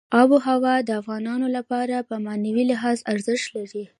آب وهوا د افغانانو لپاره په معنوي لحاظ ارزښت لري.